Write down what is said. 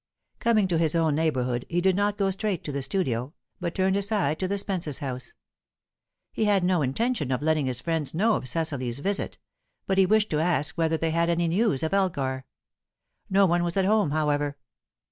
Coming to his own neighbourhood, he did not go straight to the studio, but turned aside to the Spences' house. He had no intention of letting his friends know of Cecily's visit, but he wished to ask whether they had any news of Elgar. No one was at home, however.